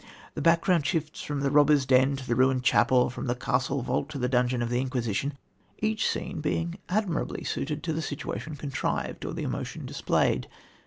The background shifts from the robber's den to the ruined chapel, from the castle vault to the dungeon of the Inquisition, each scene being admirably suited to the situation contrived, or the emotion displayed.